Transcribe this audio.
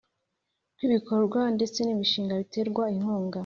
Rw ibikorwa n imishinga biterwa inkunga